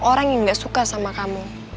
orang yang gak suka sama kamu